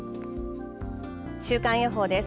週間予報です。